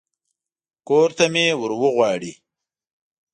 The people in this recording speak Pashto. کور ته مې ور وغواړي.